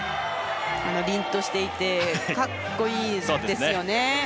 りんとしていてかっこいいですよね。